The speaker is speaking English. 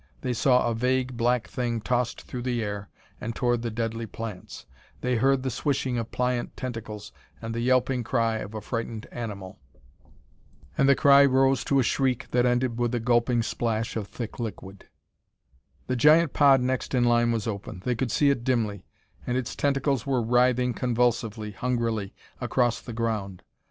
They saw a vague black thing tossed through the air and toward the deadly plants; they heard the swishing of pliant tentacles and the yelping cry of a frightened animal. And the cry rose to a shriek that ended with the gulping splash of thick liquid. The giant pod next in line was open they could see it dimly and its tentacles were writhing convulsively, hungrily, across the ground.